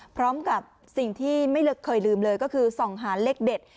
พร้อมกับสิ่งที่ไม่เคยลืมเลยก็คือส่องหาเลขเด็ด